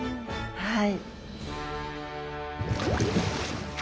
はい。